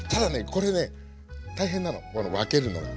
これね大変なの分けるのが。